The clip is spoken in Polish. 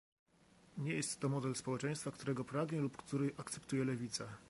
Nie jest to model społeczeństwa, którego pragnie lub który akceptuje lewica